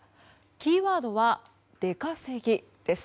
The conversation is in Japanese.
キーワードは出稼ぎです。